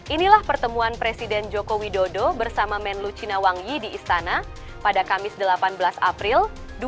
inilah pertemuan presiden joko widodo bersama menlu cinawangi di istana pada kamis delapan belas april dua ribu dua puluh